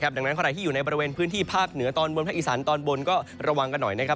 ดังนั้นใครที่อยู่ในบริเวณพื้นที่ภาคเหนือตอนบนภาคอีสานตอนบนก็ระวังกันหน่อยนะครับ